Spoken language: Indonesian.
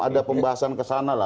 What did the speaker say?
ada pembahasan ke sana